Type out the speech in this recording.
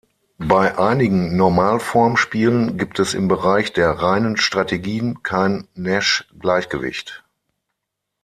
Bei einigen Normalform-Spielen gibt es im Bereich der reinen Strategien kein Nash-Gleichgewicht.